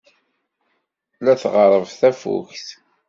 La tɣerreb tafukt.